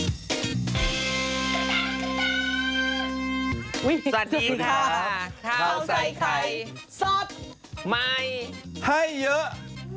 สวัสดีค่ะข้าวใส่ไข่สดใหม่ให้เยอะ